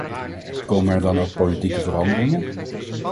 Komen er dan ook politieke veranderingen?